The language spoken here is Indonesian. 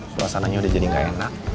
suasana ini udah jadi gak enak